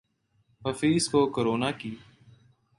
حفیظ کو کرونا کی